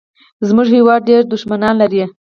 زمونږ هېواد ډېر دوښمنان لري